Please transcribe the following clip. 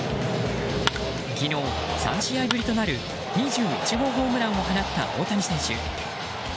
昨日、３試合ぶりとなる２１号ホームランを放った大谷選手。